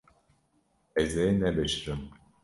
Ez ê nebişirim.